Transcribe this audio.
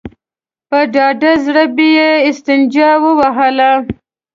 په ډاډه زړه به يې استنجا وهله.